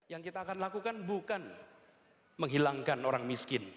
yang kita akan lakukan bukan menghilangkan orang miskin